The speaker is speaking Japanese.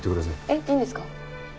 えっいいんですか？